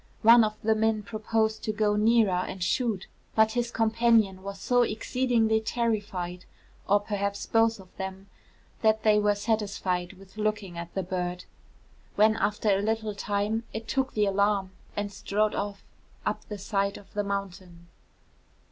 One of the men proposed to go nearer and shoot; but his companion was so exceedingly terrified, or perhaps both of them, that they were satisfied with looking at the bird; when after a little time it took the alarm and strode off up the side of the mountain.'